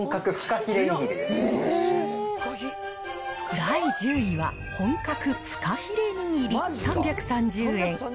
第１０位は、本格フカヒレにぎり３３０円。